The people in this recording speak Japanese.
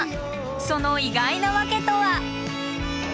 その意外な訳とは？